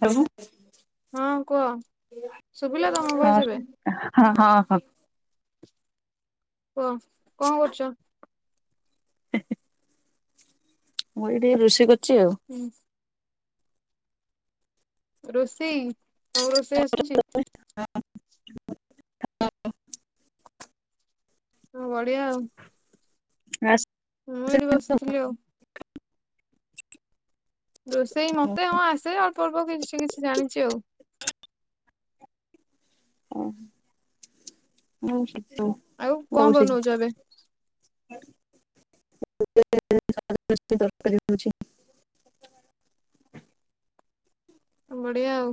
ଖାଇବୁ। ହଁ କୁହ ଶୁଭିଲା ତମ ଭଏସ ଏବେ ହ ହ ହଁ ହଁ କୁହ କଣ କରୁଛ? ମୁଁ ଏଠି ଋଶେଇ କର୍ ହୁଁ। ରୋଷେଇ କଉ ରୋଷେଇ ଆସୁଛି? ହଁ ବଢିଆ ଆଉ। ଆ ହଁ ଏଠି ବସିଥିଲି ଆଉ। ରୋଷେଇ ମତେ ହଁ ଆସେ ଅଳ୍ପ ଅଳ୍ପ କିଛି କିଛି ଜାଣିଛି ଆଉ। ଓହୋ ହଉ ସେ ଆଉ କଣ ବନଉଛ ଏବେ? [unintelligible] ଦରକାରୀ ହେଉଛି। ବଢିଆ ଆଉ।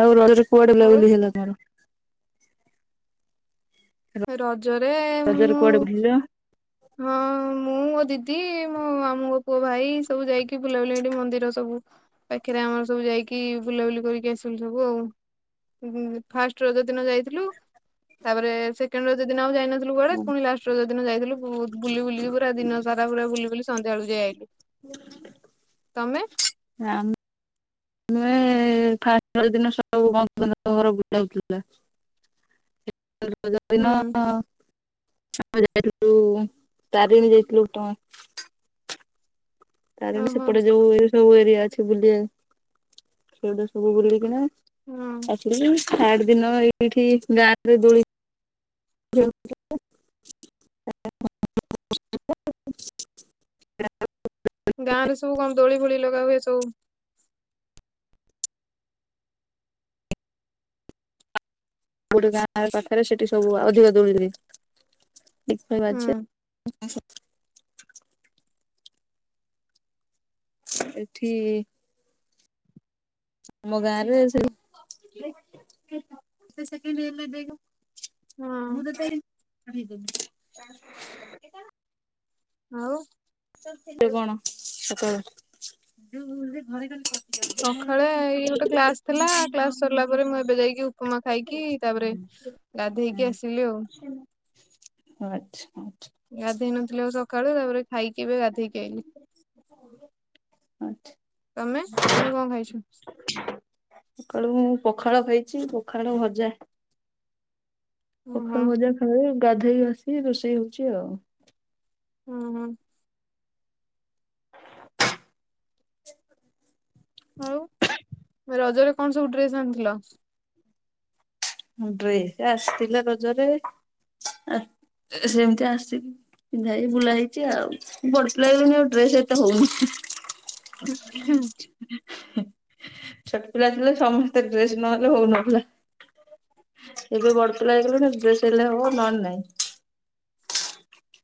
ଆଉ ରଜରେ କୁଆଡେ ବୁଲା ଆଉ ବୁଲି ହେଲା ତମର? ରଜରେ ରଜରେ ମୁଁ କୁଆଡେ ବୁଲିଲ? ହଁ ମୁଁ ଦିଦି ମୋ ମାମୁଁଙ୍କ ପୁଅ ଭାଇ ସବୁ ଯାଇକି ବୁଲାବୁଲି ଏଠି ମନ୍ଦିର ସବୁ ପାଖରେ ଆମର ସବୁ ଯାଇକି ବୁଲାବୁଲି କରିକି ଆସିଲୁ ସବୁ ଆଉ ଉଁ ଉଁ ଫାଷ୍ଟ ରଜ ଦିନ ଯାଇଥିଲୁ ତାପରେ ସେକେଣ୍ଡ ରଜ ଦିନ ଆଉ ଯାଇନଥିଲୁ ଥିଲୁ କୁଆଡେ଼ ପୁଣି ଲାଷ୍ଟ ରଜ ଦିନ ଯାଇଥିଲୁ ବୁଲି ବୁଲିକି ପୁରା ଦିନ ସାରା ପୁରା ବୁଲି ବୁଲି ସଞ୍ଜ ବେଳୁ ଯାଇ ଆଇଲୁ। ହୁଁ। ତମେ? ଆମ ମୁଁ ଏ ଫାଷ୍ଟ ରଜ ଦିନ ସବୁ [unintelligible] ଘର ବୁଲା ହୋ। ରଜ ଦିନ ହୁଁ ହ ଯାଇଥିଲୁ ତାରେଣି ଯାଇଥିଲୁ ତ ତାରେଣି ଓହୋ ସେପଟେ ଯୋଉ ଏ ସବୁ ଏରିଆ ଅଛି ବୁଲି ସେଟା ସବୁ ବୁଲିକିନା ହୁଁ ଆସିଲି ତାଠ ଦିନ ଏଇଠି ଗାଁରେ ଦୋଳି [unintelligible] [unintelligible] ଗାଁ ରେ ସବୁ କଣ ଦୋଳି ଫୋଳି ଲଗା ହୁଏ ସବୁ? ଗୋଟେ ଗାଁ ପାଖରେ ସେଠି ସବୁ ଅଧିକ ଦୋଳି ଠିକ୍ ଠାକ୍ ହୁଁ ଅଛି। [unintelligible] ଏଠି ଆମ ଗାଁରୁ ଏସବୁ ହଁ ମୁଁ ଦେଇଥିଲି [inaudible] ଆଉ କୁହ କଣ ସେତେବେଳେ? ସକାଳେ ଏଇ ଗୋଟେ କ୍ଲାସ ଥିଲା କ୍ଲାସ ସରିଲା ପରେ ମୁଁ ଏବେ ଯାଇକି ଉପମା ଖାଇକି ତାପରେ ଗାଧେଇକି ଆସିଲି ଆଉ। ଆଚ୍ଛା। ଗାଧେଇ ନଥିଲି ଆଉ ସକାଳୁ ତାପରେ ଖାଇକି ଏବେ ଗାଧେଇକି ଆଇଲି। ତମେ ତମେ କଣ ଖାଇଛ? କାଲି ମୁଁ ପଖାଳ ଖାଇଛି ପଖାଳ ଭଜା। ହୁଁ ହୁଁ ପଖାଳଭଜା ଖାଇ ଗାଧୋଇ ଆସି ରୋଷେଇ ହଉଛି ଆଉ। ହୁଁ ହୁଁ। ଆଉ ରଜରେ କଣସବୁ ଡ୍ରେସ୍ ଆଣିଥିଲ? ଡ୍ରେସ୍ ଆସିଥିଲା ରଜରେ ଆ ସେମିତି ଆସିକି ପିନ୍ଧା ହେଇକି ବୁଲା ହେଇଛି ଆଉ ପର୍ସନାଲି ମୋ ଡ୍ରେସ ଏତେ ହଉନି। ହୁଁ [unintelligible] ଛୋଟପିଲା ଥିଲେ ସମସ୍ତେ ଡ୍ରେସ ନହେଲେ ହଉନଥିଲା। ଏବେ ବଡ ପିଲା ହେଇଗଲେଣି ଡ୍ରେସ୍ ହେଲେ ହବ ନହଲେ ନାଇଁ।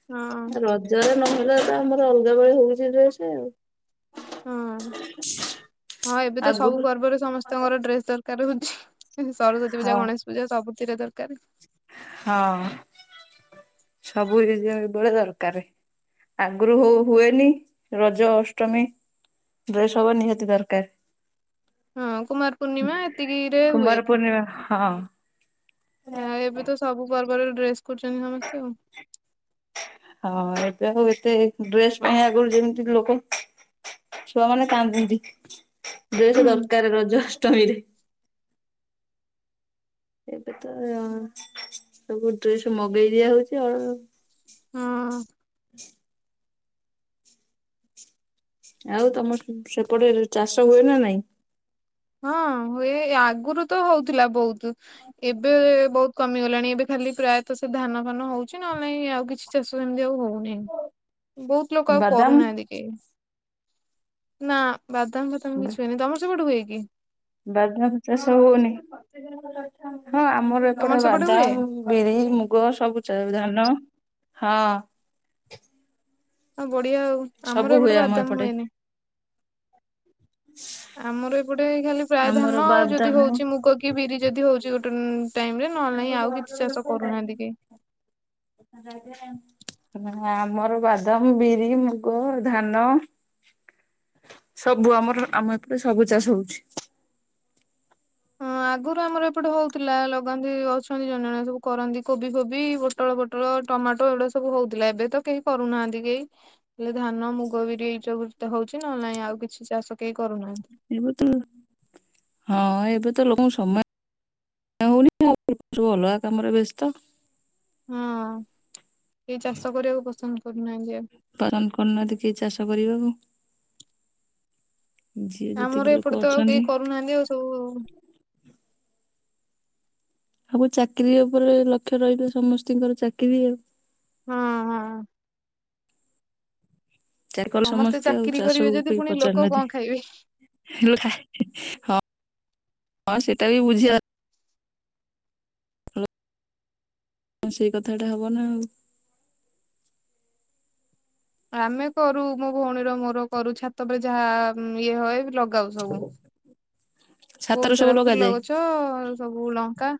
ହଁ ରଜରେ ନହେଲେ ତ ଆମର ଅଲଗା ବେଳେ ହଉଛି ଡ୍ରେସ୍ ଆଉ। ହଁ ହଁ ଏବେ ତ ଆଗରୁ ସବୁପର୍ବରେ ସମସ୍ତଙ୍କର ଡ୍ରେସ୍ ଦରକାର ହ ସରସ୍ଵତୀ ପୂଜା ହଁ ଗଣେଷ ପୂଜା ସବୁଥିରେ ଦର ହଁ ସବୁ [unintelligible] ଦରକାର ଆଗ୍ରହ ହୁଏନି ରଜ ଅଷ୍ଟମୀ? ଡ୍ରେସ୍ ହବା ନିହାତି ହଁ କୁମାର ଦରକାର। ପୂର୍ଣ୍ଣିମା ଏତିକିରେ କୁମାର ପୂର୍ଣ୍ଣିମା ହଁ। ଏ ଏବେ ତ ସବୁ ପର୍ବରେ ଡ୍ରେସ୍ ଖୋଜୁଛନ୍ତି ସମସ୍ତେ ଆଉ। ଉ ଏତେ ଡ୍ରେସ୍ ପାଇଁ ଆଗରୁ ଯେମିତି ଲୋକ ଛୁଆମାନେ କାନ୍ଦନ୍ତି। ଡ୍ରେସ୍ ହୁଁ ଦରକାର ରଜ ଅଷ୍ଟମୀରେ। ଏବେ ତ ସବୁ ଡ୍ରେସ୍ ମଗେଇଦିଆ ହଉଛି ଆଉ। ହୁଁ। ଆଉ ତମର ସେପଟେ ଚାଷ ହୁଏନା ନାଇଁ। ହଁ ହୁଏ ଆଗୁରୁତ ହଉଥିଲା ବହୁତ୍ ଏବେ ବହୁତ୍ କମିଗଲାଣି ଏବେ ଖାଲି ପ୍ରାୟତଃ ସେ ଧାନ ଫାନ ହଉଛି ନହଲେ ନାହିଁ ଆଉ କିଛି ଚାଷ ସେମିତି ଆଉ ହଉନି। ହେଇନି ବହୁତ୍ ଲୋକ ଆଉ ବାଦାମ କରୁନାହାନ୍ତି କେହି ନା। ବାଦାମ ଫାଦାମ କିଛି ହୁଏନି ତମର ସେପଟେ ହୁଏକି? ବାଦାମ ଚାଷ ହଉନି? ହଁ ଆମର ତମର ଏପଟେ ସେପଟେ ହୁଏ ବାଦାମ ବିରି ମୁଗ ସବୁ ଚା ଧାନ ହଁ। ଆଉ ବଢିଆ ଆଉ ସବୁ ଆମର ଏପଟେ ହୁଏ ଆମ ବାଦାମ ହୁଏନି। ଆମର ଏପଟେ ଖାଲି ପ୍ରାୟ ଆମର ଧାନ ଆଉ ଯଦି ବାଦାମ ହଉଛି ମୁଗ କି ବିରି ଯଦି ହଉଛି ଗୋଟେ [unintelligible] ଟାଇମ୍ ରେ ନହେଲେ ନାହିଁ ଆଉ କିଛି ଚାଷ କରୁନାହାନ୍ତି କେହି। ନା ଆମର ବାଦାମ ବିରି ମୁଗ ଧାନ ସବୁ ଆମର ଆମ ଏପଟେ ସବୁ ଚାଷ ହଉଛି। ହଁ, ଆଗରୁ ଆମର ଏପଟେ ହଉଥିଲା ଲଗାନ୍ତି ଅଛନ୍ତି ଜଣେ ଜଣେ, ସବୁ କରନ୍ତି କୋବି ଫୋବି ପୋଟଳ ଫୋଟଳ ଟମାଟୋ ଏଗୁଡା ସବୁ ହଉଥିଲା ଏବେ ତ କେହି କରୁନାହାନ୍ତି କେହି ହେଲେ ଧାନ, ମୁଗ, ବିରି ଏଇ ସବୁ [unintelligible] ହଉଛି ନହଲେ ନାଇଁ ଆଉ କିଛି ଚାଷ କେହି କରୁନାହାନ୍ତି। ଏବେ ତ ହଁ ଏବେ ତ ଲୋକଙ୍କୁ ସମୟ ହଉନି ଆଉ ସବୁ ଅଲଗା କାମରେ ବ୍ୟସ୍ତ। କିଏ ଚାଷ କରିବାକୁ ପସନ୍ଦ କରୁନାହାଁନ୍ତି। ପରମ କରୁ ନାହାନ୍ତି କେହି ଚାଷ କରିବାକୁ। ଯିଏ ଆମର ଯେତିକି ଏପଟେ ଲୋକ ତ ଆଉ କେହି ଅଛନ୍ତି କରୁନାହାନ୍ତି ଆଉ ସବୁ ହଁ ଆଉ ଚାକିରୀ ଉପରେ ଲକ୍ଷ୍ୟ ରହିଲା ସମସ୍ତିଙ୍କର ଚାକିରୀ ଆଉ। ହଁ ହଁ। ଚାରିକଲ ସମସ୍ତେ ଆଉ ଚାକିରି କରିବେ ଚାଷକୁ ଯଦି କେଇ ପୁଣି ଲୋକ କଣ ପଚାରୁନାହାନ୍ତି। ଖାଇବେ। ହଁ ହଁ ସେଇଟା ବି ବୁଝି। ସେଇ କଥାଟା ହବ ନା ଆଉ। ଆମେ କରୁ ମୋ ଭଉଣୀର ମୋର କରୁ ଛାତପରେ ଯାହା ମ ଇଏ ହଏ ଲ ଲଗାଉ ସବୁ। ବହୁତ ଛାତରେ ସବୁ ସାରା ଫୁଲ ଲଗାଯାଏ ଗଛ, ସବୁ ଲଙ୍କା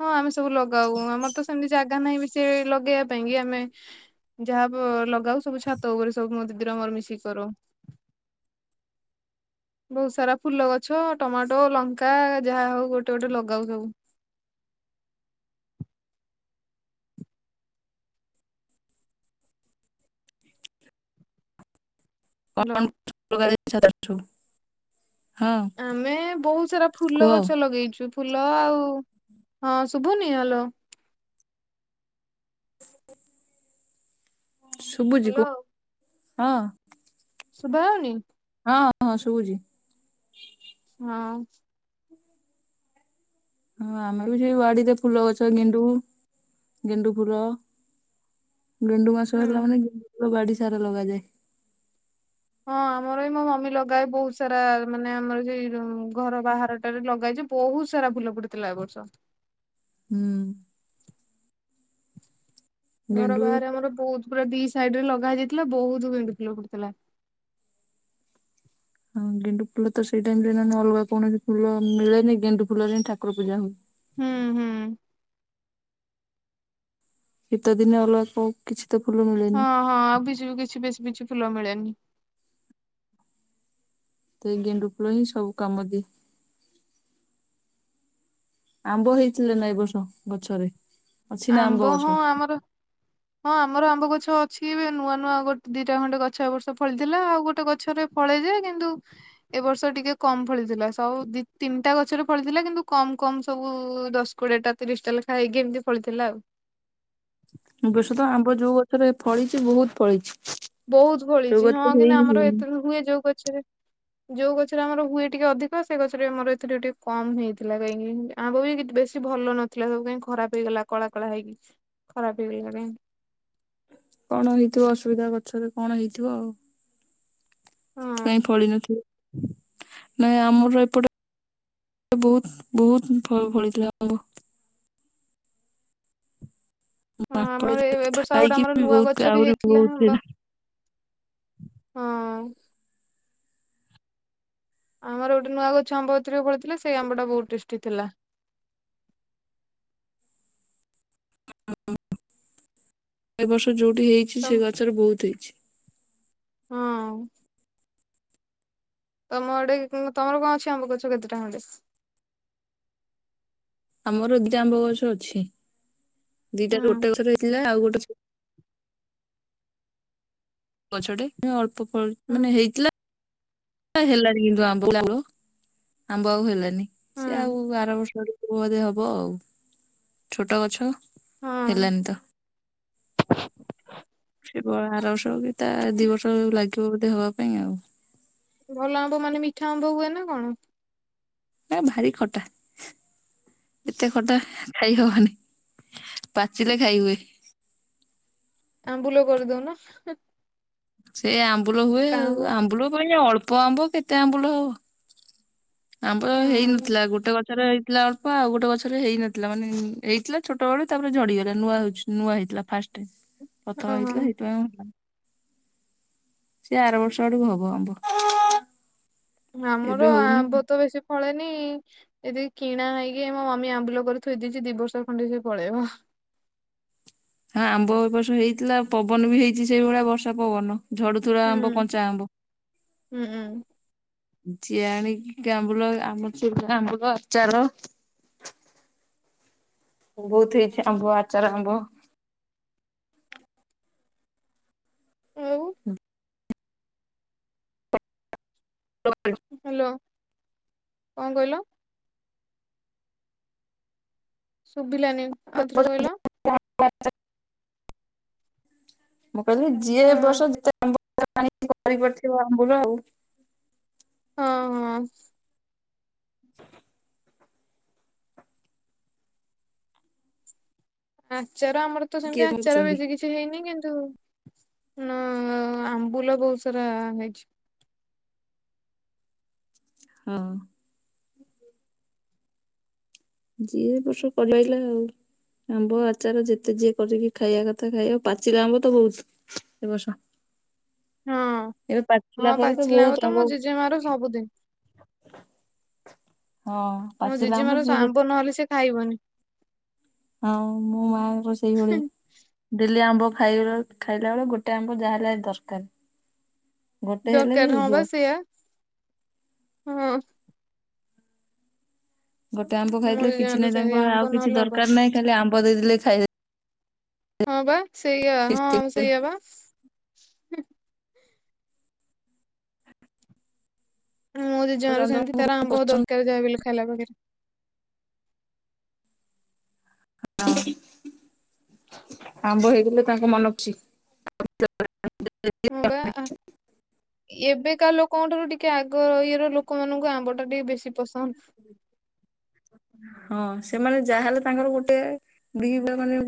ହଁ ଆମେ ସବୁ ଲଗାଉ, ଆମର ତ ସେମିତି ଜାଗା ନାହିଁ ବି ସେ ଲଗେଇବା ପାଇଁ କି ଆମେ ଯାହାବ ଲଗ୍ ଗାଉ ସବୁ ଛାତ ଉପରେ ସବୁ ମ ଦିଦିର ମୋର ମିଶିକି କରୁ। ବହୁତ ସାରା ଫୁଲ ଗଛ, ଟମାଟୋ, ଲଙ୍କା, ଯାହା ହଉ ଗୋଟେ ଗୋଟେ ଲଗାଉ ସବୁ। କ ହ୍ୟାଲୋ [unintelligible] ଆମେ ବହୁତ ସାରା ଫୁଲ କୁହ ଗଛ ଲଗେଇଛୁ। ଫୁଲ ଆଉ, ହଁ ଶୁଭୁନି ହାଲୋ। ଶୁଭୁଛି କୁହ ହ୍ୟାଲୋ ହଁ। ଶୁଭା ଯାଉନି। ହଁ ହଁ ଶୁଭୁଛି। ହଁ। ହଁ ଆମେ ବି ସେ ବାଡିରେ ଫୁଲ ଗଛ ଗେଣ୍ଡୁ ଗେଣ୍ଡୁ ଫୁୁଲ। ଗେଣ୍ଡୁ ମାସ ହୁଁ। ହେଲା ମାନେ, ବାଡ଼ି ସାରା ଲଗାଯାଏ। ହଁ, ଆମର ବି ମୋ ମମି ଲଗାଏ ବହୁତ ସାରା ମାନେ ଆମର ସେଇ ଯୋଉ ଘର ବାହାରଟାରେ ଲଗାଏ ଯେ ବହୁତ ସାରା ଫୁଲ ଫୁଟିଥିଲା ଏ ବର୍ଷ। ହୁଁ। ଘର ଗେଣ୍ଡୁ ବାହାରେ ଆମର ବହୁତ ପୁରା ବିସ୍ ସାଇଡ ରେ ଲଗା ହେ ଯାଇଥିଲା ବହୁତ ଗେଣ୍ଡୁ ଫୁଲ ଫୁଟିଥିଲା। ହଁ ଗେଣ୍ଡୁ ଫୁଲ ତ ସେଇ ଟାଇମ ରେ ନଲେ ଅଲଗା କୌଣସି ଫୁଲ ମିଳେନି ଗେଣ୍ଡୁ ଫୁଲରେ ହି ଠାକୁର ପୂଜା ହୁଏ। ହୁଁ ହୁଁ। ଶୀତ ଦିନେ ଅଲଗା କଉ କିଛି ତ ଫୁଲ ମିଳେନି ହଁ ହଁ ଆଉ କି କିଛି ବି କିଛି ବେଶୀ କିଛି ଫୁଲ ମିଳେନି। ତ ଏଇ ଗେଣ୍ଡୁ ଫୁଲ ହିଁ ସବୁ କାମ ଦିଏ। ଆମ୍ବ ହେଇଥିଲା ନା, ଏ ବର୍ଷ ଗଛରେ? ଅଛି ନା ଆମ୍ବ, ଗଛ ହଁ ଆମର ହଁ, ଆମର ଆମ୍ବ ଗଛ ଅଛି। ଏବେ ନୂଆ ନୂଆ ଗୋଟେ ଦିଟା ଖଣ୍ଡେ ଗଛ ଏବର୍ଷ ଫଳିଥିଲା, ଆଉ ଗୋଟେ ଗଛରେ ଫଳି କିନ୍ତୁ ଏ ବର୍ଷ ଟିକେ କମ ଫଳିଥିଲା, ସବୁ ଦି ତିନିଟା ଗଛରେ ଫଳିଥିଲା କିନ୍ତୁ କମ କମ ସବୁ ଦଶ କୋଡିଏ ଟା ତିରିଶ ଟା ଲେଖା ହେଇକି, ଏମିତି ଫଳିଥିଲା ଆଉ। ଏ ବର୍ଷ ତ ଆମ୍ବ ଯୋଉ ଗଛରେ ଫଳିଛି ବହୁତ ଫଳିଛି। ବହୁତ ଯୋଉ ଫଳିଛି। ହଁ ଗଛରେ କିନ୍ତୁ ହେଇନି ଆମର ହେଇନି ଏତେ ହୁଏ ଯୋଉ ଗଛରେ ଯୋଉ ଗଛରେ ଆମର ହୁଏ ଟିକେ ଅଧିକ, ସେଇ ଗଛରେ ଆମର ଏଥିରେ ଟିକେ କମ ହେଇଥିଲା କାହିଁକି? ଆମ୍ବ ଆଉ ବେଶୀ ଭଲ ନଥିଲା ସବୁ କାଇଁ ଖରାପ ହେଇଗଲା କଳା କଳା ହେଇକି, ଖରାପ ହେଇଗଲା କାଇଁ? କଣ ହେଇଥିବ ଅସୁବିଧା ଗଛରେ, କଣ ହେଇଥିବ ଆଉ। ହଁ ସେଥିପାଇଁ ଫଳି ନଥିବ ନାଇ ଆମର ଏପଟେ। ବହୁତ ବହୁତ ଫଳ ଫଳିଥିଲା ଆମ୍ୱ। ହଁ ଆମର ମାମ୍ପଡ ଏ ବର୍ଷ ଆଉ ଗୋଟେ ଖାଇକି ଆମର ବି ନୂଆ ଗଛ ବହୁତ ବି ଆହୁରି ହେଇଥିଲା ବହୁତ ଆମ୍ବ ଥିଲା। ହଁ। ଆମର ଗୋଟେ ନୂଆ ଗଛ ଆମ୍ବ ଏଥର ଫଳିଥିଲା ସେ ଆମ୍ବ ଟା ବହୁତ ଟେଷ୍ଟି ଥିଲା। ଏ ବର୍ଷ ଯୋଉଠି ହେଇଛି ତ ସେ ଗଛରେ ବହୁତ ହେଇଛି। ହଁ। ତମ ଆଡ଼େ କ ତମର କଣ ଅଛି ଆମ୍ୱ ଗଛ କେତେଟା ଖଣ୍ଡେ। ଆମର ଦି ଟା ଆମ୍ବ ଗଛ ଅଛି ଦିଟାରୁ ହୁଁ ଗୋଟେ ଗଛରେ ହେଇଥିଲା ଆଉ ଗୋଟେ। [inaudible] ଗଛଟେ ଅଳ୍ପ ଫଳ ହୁଁ ମାନେ ହେଇଥିଲା। ହେଲାଣି କିନ୍ତୁ ଆମ୍ବ ପୂଳ ଆମ୍ବ ଆଉ ହେଲାନି ସ ଆଉ ହୁଁ ବାର ବର୍ଷ ଆଡ଼କୁ। ବଧେ ହବ ଆଉ ଛୋଟ ଗଛ। ହଁ ହେଲନି ତ ସେ ବ ଆର ବର୍ଷ କି ତା ଦି ବର୍ଷ ଲାଗିବ ବୋଧେ ହବା ପାଇଁ ଆଉ। ଭଲ ଆମ୍ବ ମାନେ ମିଠା ଆମ୍ବ ହୁଏ ନା କଣ। ଏ ଭାରି ଖଟା ଏତେ ଖଟା। ଖାଇ ହବନି ପାଚିଲେ ଖାଇ ହୁଏ। ଆମ୍ୱୁଲ କରିଦଉନ। ସେ ଆମ୍ବୁଲ ହୁଏ ତା ଆଉ ଆମ୍ବ ଆମ୍ବୁଲ ପାଇଁ ଅଳ୍ପ ଆମ୍ବ କେତେ ଆମ୍ବୁଲ ହବ। ଆମ୍ୱର ହୁଁ ହେଇନଥିଲା ଗୋଟେ ଗ ଗଛରେ ହେଇଥିଲା ଅଳ୍ପ ଆଉ ଗୋଟେ ଗଛରେ ହେଇନଥିଲା ମାନେ ହେଇଥିଲା ଛୋଟବେଳୁ ତାପରେ ଝଡିଗଲା ନୂଆ ହଉଛି ନୂଆ ହେଇ ଥିଲା ଫାର୍ଷ୍ଟ ଟାଇମ୍ ପ୍ରଥମ ଓହୋ ହେଇଥିଲା ସେଇଥିପାଇଁ ଆଉ ହେଲାନି। ସେ ଆର ବର୍ଷ ଆଡକୁ ହବ ଆମ୍ବ। ଆମର ଏବେ ହଉନି। ଆମ୍ବ ତ ବେଶୀ ଫଳେନି ଏତି କିଣା ହେଇକି ମୋ ମମି ଆମ୍ବୁଲ କରି ଥୋଇ ଦେଇଛି ଦି ବର୍ଷ ଖଣ୍ଡେ ସେ ପଳେଇବ। ହଁ ଆମ୍ବ ଏ ବର୍ଷ ହେଇଥିଲା ପବନ ବି ହେଇଛି ସେଇଭଳିଆ ବର୍ଷା ପବନ। ଝଡୁଥୁରା ହୁଁ ଆମ୍ବ କଞ୍ଚା ଆମ୍ବ। ହୁଁ ହୁଁ ଜିଆଣିକି ଆମ୍ବୁଲ ଆମର ସବୁ ଆମ୍ବୁଲ ଆଚାର। [inaudible] ବହୁତ ହେଇଛି ଆମ୍ବ ଆଚାର ଆମ୍ବ। ଆଉ। ହାଲୋ କଣ କହିଲ? ଶୁଭିଲାନି ଆଉଥରେ କହିଲ। ଆମ୍ବ- ଆଚା- ମୁଁ କହିଲି ଯିଏ ହଁ ଏ ବର୍ଷ ଯେତେ ଆମ୍ବ। [unintelligible] କରିପଡିଥିବ ଆମ୍ବୁଲ ଆଉ। ହଁ ହଁ। [inaudible] ଆଚାର ଆମର ତ ସେମିତି କିଏ ଆଚାର କହୁଛନ୍ତି ବେଶୀ କିଛି ହେଇନି କିନ୍ ତୁ ନା ଆମ୍ବୁଲ ବହୁତ ସାରା ହେଇଛି। ହଁ। ଯିଏ ଏ ବର୍ଷ କମେଇଲା ଆଉ। ଆମ୍ବ ଆଚାର ଯେତେ ଯିଏ କରିକି ଖାଇବା କଥା ଖାଇବ ପାଚିଲା ଆମ୍ବ ତ ବହୁତ ଏ ବର୍ଷ। [inaudible] ହଁ ଏବେ ପାଚିଲା ହଁ ପରେ ପାଚିଲା ବହୁତ ଆମ୍ୱ ତ ଆମ୍ବ ମୋ ହଁ ଜେଜେ ମା ର ସବୁଦିନ। ମୋ ପାଚିଲା ଜେଜେ ମା ର ଯିଏ ଯେ ଆମ୍ବ ନହେଲେ ସେ ଖାଇବନି। ହଁ ମୋ ମାଙ୍କର ସେଇଭଳି ଡେଲି ଆମ୍ୱ ଖାଇବେ ଖାଇଲା ବେଳେ ଗୋଟେ ଆମ୍ବ ଯାହା ହେଲେ ଦସ୍କାରେ। ଦରକାର ହଁ ବା ସେୟା ହଁ। ଗୋଟେ ଆମ୍ବ ମୋ ଖାଇଥିଲେ କିଛି ଜେଜେମାଆର ନାଇଁ ସେମିତି ତାଙ୍କ ଆମ୍ବ ଆଉ କିଛି ନହେଲେ ହବନି ଦରକାର ନାହିଁ ଖାଲି ଆମ୍ବ ଦେଇଦଲେ ଖାଇଲେ। ହଁ ବା ସେଇଆଆ ହଁ ସେଇଆା ବା। ମୁଁ ଜଣ ଜେଜମା ର ସେମିତି ଜଣଙ୍କୁ ତାର ବହୁତ ଆମ୍ବ ପସନ୍ଦ ଦରକାର ଯାହାବି ହେଲେ ଖାଇଲା ବେଳେ। [unintelligible] ଆମ୍ବ ହେଇଗଲେ ତାଙ୍କ ମନ ଖୁସି। [unintelligible] ବିକା ଲୋକଙ୍କ ଠାରୁ ଟିକେ ଆଗ ଇଏ ର ଲୋକମାନଙ୍କୁ ଆମ୍ବ ଟା ଟିକେ ବେଶୀ ପସନ୍ଦ। [inaudible] ହଁ ସେମାନେ ଯାହାହେଲେ ତାଙ୍କର ଗୋଟେ ବ ମାନେ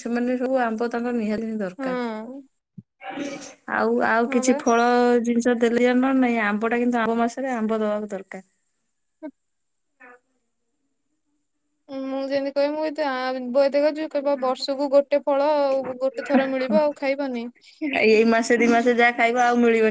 ସେମାନେ ସବୁ ଆମ୍ବ ତାଙ୍କର ନିହାତି ହଁ। ଦରକାର। ଆଉ ଆଉ ହଁ କିଛି ବା। ଫଳ ଜିନିଷ ଦେଲି ଜଣ ନାଇଁ ଆମ୍ବ ଟା କିନ୍ତୁ ଆମ୍ବ ମାସରେ ଆମ୍ବ ଦବାକୁ ଦରକାର। [inaudible] ହଁ ମୁଁ ଯେମିତି କହିବି ମୁ ଏ ଆ ବ ଦେଖଛୁ ବର୍ଷକୁ ଗୋଟେ ଫଳ ଆଉ ଗୋଟେ ଥର ମିଳିବ ଆଉ ଖାଇବନି। ସେ ଯାହା ଖାଇବା ଆଉ। ମିଳିବ